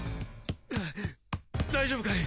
・ハァ大丈夫かい？